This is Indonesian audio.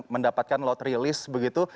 mendapatkan lotri list begitu